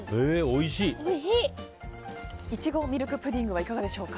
いちごミルクプディングはいかがでしょうか？